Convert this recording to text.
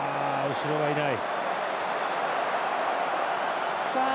後ろがいない。